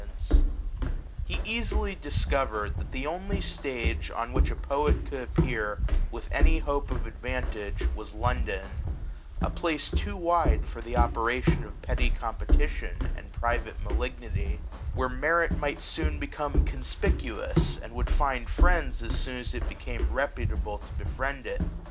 LIFE OF THOMSONi IX He easily discovered that the only stage on which a poet could appear, with any hope of advantage, was London ; a place too wide for the operation of petty compe tition and private malignity ; where merit might soon become conspicuous, and would find friends as soon as it became reputable to befriend it.